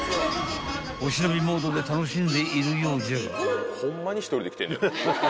［お忍びモードで楽しんでいるようじゃが］